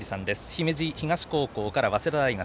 姫路東高校から早稲田大学。